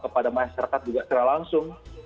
kepada masyarakat juga secara langsung